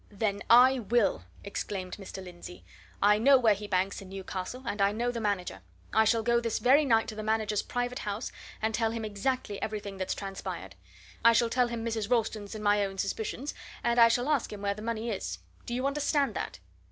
"Then I will!" exclaimed Mr. Lindsey. "I know where he banks in Newcastle, and I know the manager. I shall go this very night to the manager's private house, and tell him exactly everything that's transpired I shall tell him Mrs. Ralston's and my own suspicions, and I shall ask him where the money is. Do you understand that?"